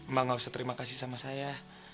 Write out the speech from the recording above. emang gak usah terima kasih sama saya